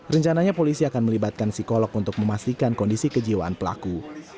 rencananya polisi akan melibatkan psikolog untuk memastikan kondisi kejiwaan pelaku